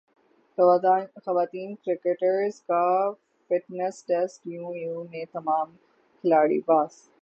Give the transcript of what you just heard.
خواتین کرکٹرز کا fitness test yo yo میں تمام کھلاڑی پاس